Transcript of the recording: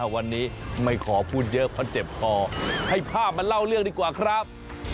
วันนี้ไม่ขอพูดเยอะเพราะเจ็บคอให้ภาพมาเล่าเรื่องดีกว่าครับ